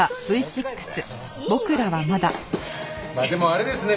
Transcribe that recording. まあでもあれですね